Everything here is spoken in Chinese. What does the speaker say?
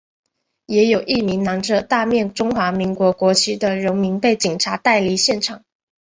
也有一名拿着大面中华民国国旗的荣民被警察带离现场。